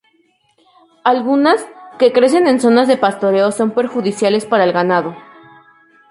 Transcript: Algunas, que crecen en zonas de pastoreo son perjudiciales para el ganado.